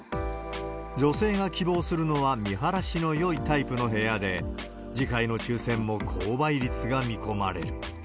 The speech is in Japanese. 女性が希望するのは、見晴らしのよいタイプの部屋で、次回の抽せんも高倍率が見込まれる。